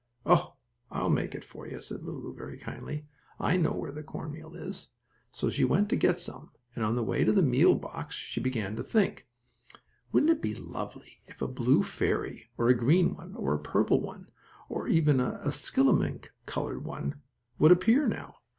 "Oh, I'll make it for you," said Lulu very kindly. "I know where the cornmeal is." So she went to get some, and, on the way to the meal box she began to think: "Wouldn't it be lovely if a blue fairy, or a green one or a purple one, or even a skilligimink colored one would appear now?